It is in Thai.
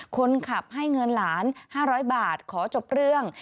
คนขับให้เงินหลาน๕๐๐บาทขอจบเรื่อง